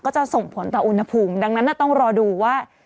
จะส่งผลต่ออุณหภูมิดังนั้นต้องรอดูว่า